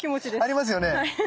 ありますよね。